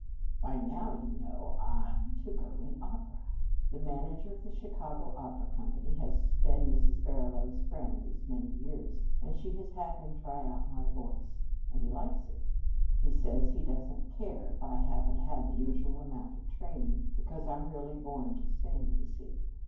"Why, now, you know, I'm to go in opera. The manager of the Chicago Opera Company has been Mrs. Barsaloux's friend these many years, and she has had him try out my voice. And he likes it. He says he doesn't care if I haven't had the usual amount of training, because I'm really born to sing, you see.